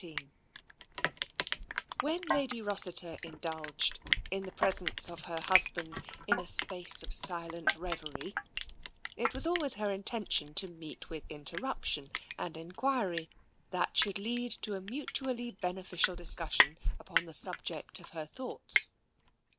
XIII When Lady Rossiter indulged, in the presence of her husband, in a space of silent reverie, it was always her intention to meet with interruption and enquiry that should lead to a mutually beneficial discussion upon the subject of her thoughts.